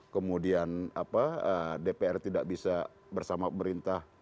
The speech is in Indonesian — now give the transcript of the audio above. kemudian dpr tidak bisa bersama pemerintah